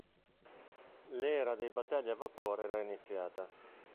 L’era dei battelli a vapore era iniziata.